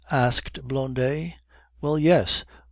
asked Blondet. "Well, yes.